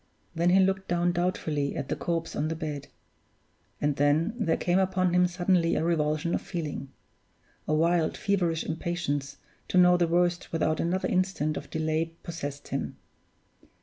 Then he looked down doubtfully at the corpse on the bed; and then there came upon him suddenly a revulsion of feeling. A wild, feverish impatience to know the worst without another instant of delay possessed him.